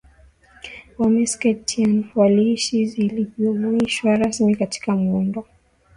wa Meskhetian waliishi zilijumuishwa rasmi katika muundo